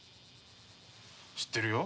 知ってるよ。